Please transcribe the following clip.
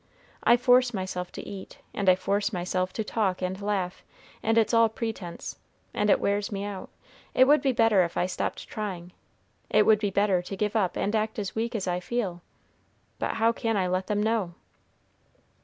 I force myself to eat, and I force myself to talk and laugh, and it's all pretense; and it wears me out, it would be better if I stopped trying, it would be better to give up and act as weak as I feel; but how can I let them know?"